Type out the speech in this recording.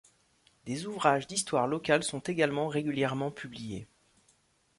Des ouvrages d’histoire locale sont également régulièrement publiés.